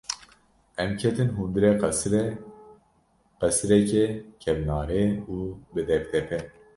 Em ketin hundirê qesirê; qesirekê kevnare û bi depdepe.